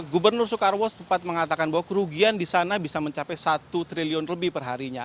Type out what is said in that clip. gubernur soekarwo sempat mengatakan bahwa kerugian di sana bisa mencapai satu triliun lebih perharinya